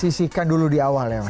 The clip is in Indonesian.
sisihkan dulu di awal ya mas